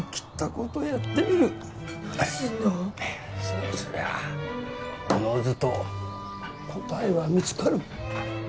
そうすりゃおのずと答えは見つかる。